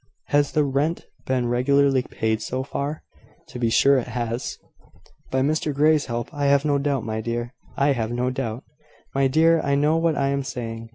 "Has the rent been regularly paid, so far?" "To be sure it has." "By Mr Grey's help, I have no doubt. My dear, I know what I am saying.